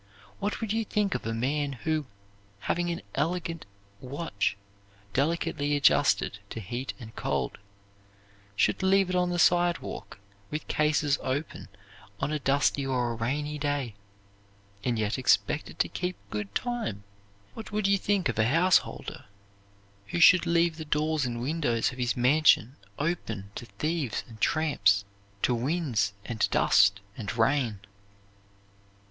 What would you think of a man who, having an elegant watch delicately adjusted to heat and cold, should leave it on the sidewalk with cases open on a dusty or a rainy day, and yet expect it to keep good time? What would you think of a householder who should leave the doors and windows of his mansion open to thieves and tramps, to winds and dust and rain?